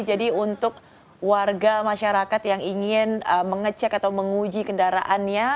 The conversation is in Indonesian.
jadi untuk warga masyarakat yang ingin mengecek atau menguji kendaraannya